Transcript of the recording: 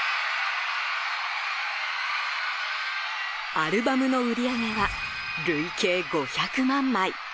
アルバムの売り上げは累計５００万枚。